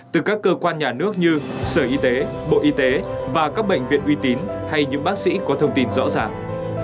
từ các cơ quan nhà nước như sở y tế bộ y tế và các bệnh viện uy tín hay những bác sĩ có thông tin rõ ràng